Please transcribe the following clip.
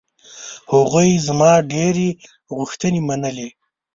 هغوی زما ډېرې غوښتنې منلې.